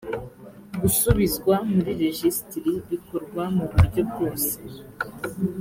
gusubizwa muri rejisitiri bikorwa mu buryobwose